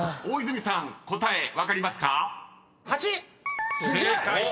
［大泉さん答え分かりますか］